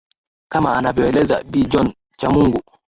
kama anavyoeleza bi joan chamungu